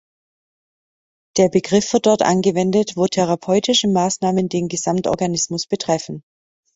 Der Begriff wird dort angewendet, wo therapeutische Maßnahmen den Gesamtorganismus betreffen.